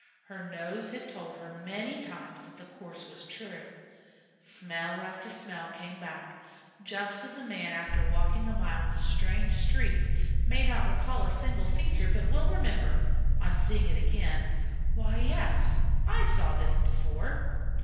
Her nose had told her many times that the course was true. Smell after smell came back, just as a man after walking a mile in a strange street may not recall a single feature, but will remember, on seeing it again, "Why, yes, I saw that before."